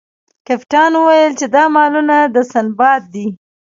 کپتان وویل چې دا مالونه د سنباد دي.